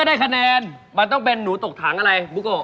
ได้คะแนนไปนะครับ